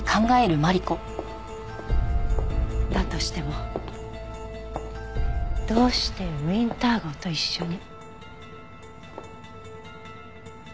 だとしてもどうしてウィンター号と一緒に。